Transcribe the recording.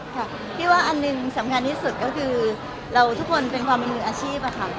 ค่ะพี่ว่าอันหนึ่งสำคัญที่สุดก็คือเราทุกคนเป็นความเป็นมืออาชีพอะค่ะ